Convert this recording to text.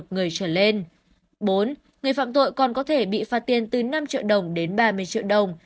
người phạm tội còn có thể bị phạt tiền từ năm triệu đồng đến ba mươi triệu đồng